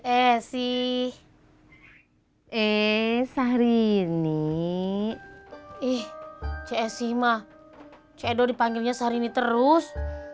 cc eh sih eh sehri ini ih csi mah cd dipanggilnya sehri ini terus